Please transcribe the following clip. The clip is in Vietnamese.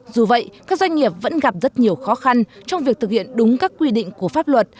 dù vậy các doanh nghiệp vẫn gặp rất nhiều khó khăn trong việc thực hiện đúng các quy định của pháp luật